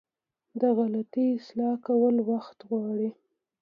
د غلطي اصلاح کول وخت غواړي.